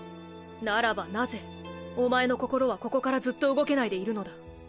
ならばなぜおまえの心はここからずっと動けないでいるのだ？